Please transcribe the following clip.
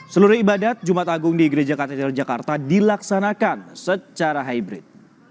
seluruh ibadat jumat agung di gereja katedral jakarta dilaksanakan secara hybrid